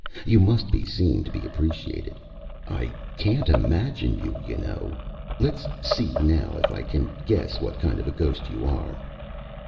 You must be seen to be appreciated. I can't imagine you, you know. Let's see, now, if I can guess what kind of a ghost you are.